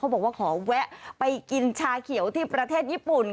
บอกว่าขอแวะไปกินชาเขียวที่ประเทศญี่ปุ่น